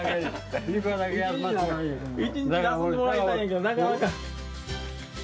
一日休んでもらいたいんやけどなかなか。